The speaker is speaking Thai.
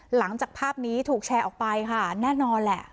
หลังจากภาพนี้ถูกแชร์ออกไปค่ะแน่นอนแหละ